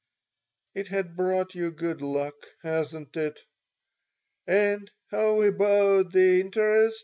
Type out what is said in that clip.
"It has brought you good luck, hasn't it? And how about the interest?